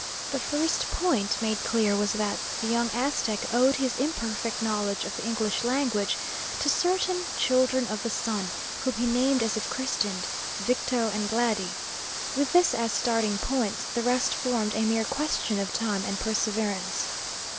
The first point made clear was that the young Aztec owed his imperfect knowledge of the English language to certain Children of the Sun, whom he named as if christened Victo and Glady. With this as starting point, the rest formed a mere question of time and perseverance.